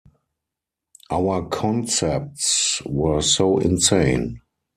Our concepts were so insane.